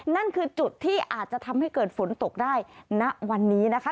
นั่นคือจุดที่อาจจะทำให้เกิดฝนตกได้ณวันนี้นะคะ